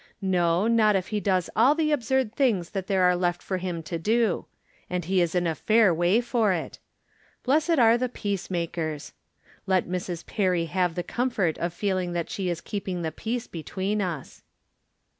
No, not if he does aU the absurd things that there are left for him to do. And he is ia a fair way for it. " Blessed are the peacemakers." Let Mrs. Perry have the comfort of feeling that she is keeping the peace between us.